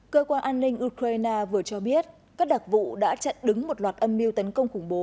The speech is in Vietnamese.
cơ quan an ninh ukraine vừa cho biết các đặc vụ đã chặn đứng một loạt âm mưu tấn công khủng bố